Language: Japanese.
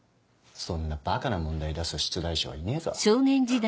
そんなバカな問題出す出題者はいねえぞフッ。